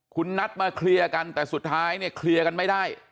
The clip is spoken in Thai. คุณนัดมาเคลียร์กันแต่สุดท้ายเนี่ยเคลียร์กันไม่ได้